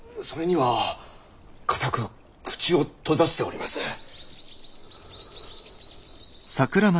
それには固く口を閉ざしております。